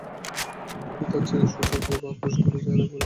তার চেয়ে সূচক ব্যবহার করে সংখ্যাটির চেহারাটা একবার দেখে নিতে পারো।